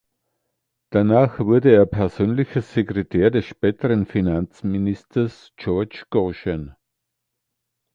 Danach wurde er persönlicher Sekretär des späteren Finanzministers George Goschen.